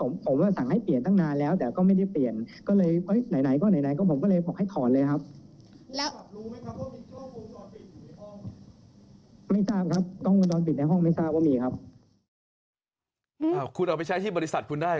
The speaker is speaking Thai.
คุณเอาไปใช้ที่บริษัทคุณได้